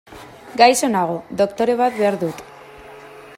Gaixo nago, doktore bat behar dut.